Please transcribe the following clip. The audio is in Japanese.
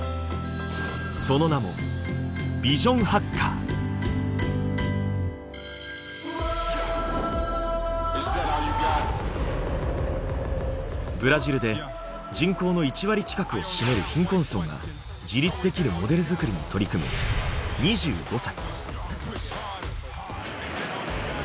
その名もブラジルで人口の１割近くを占める貧困層が自立できるモデル作りに取り組む２５歳。